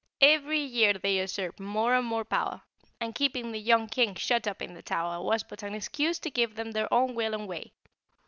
Every year they usurp more and more power, and keeping the young King shut up in the Tower was but an excuse to give them their own will and way.